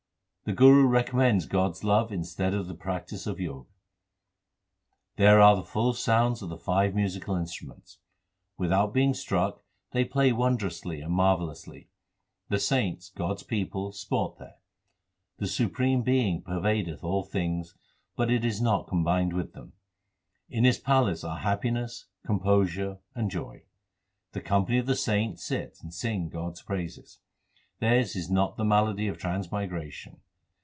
The Guru recommends God s love instead of the practice of Jog : There 1 are the full sounds of the five musical instruments. Without being struck they play wondrously and mar vellously. The saints, God s people, sport there. The Supreme Being pervadeth all things, but is not com bined with them. In His palace are happiness, composure, and joy. The company of the saints sit and sing God s praises ; theirs is not the malady of transmigration.